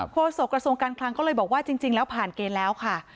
โศกระทรวงการคลังก็เลยบอกว่าจริงแล้วผ่านเกณฑ์แล้วค่ะ